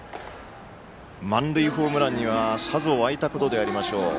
満塁ホームランにはさぞ沸いたことでありましょう。